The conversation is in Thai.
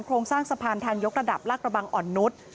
โรงสร้างสะพานทางยกระดับลากระบังอ่อนนุษย์